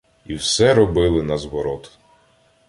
І все робили назворот: